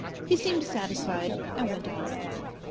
He seemed satisfied, and went on.